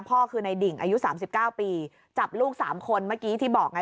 พ่อคือในดิ่งอายุ๓๙ปีจับลูก๓คนเมื่อกี้ที่บอกไง